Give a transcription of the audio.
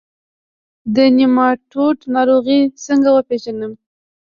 د نیماټوډ ناروغي څنګه وپیژنم؟